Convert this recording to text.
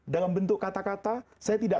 dalam bentuk kata kata saya tidak